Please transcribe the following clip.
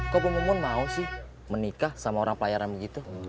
kok bung umun mau sih menikah sama orang pelayaran begitu